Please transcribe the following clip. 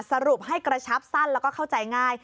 สรุปให้กระชับสั้นแล้วก็เข้าใจง่าย